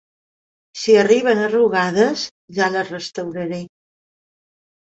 Si arriben arrugades, ja les restauraré.